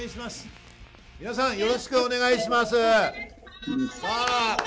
よろしくお願いします。